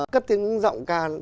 cất tiếng giọng ca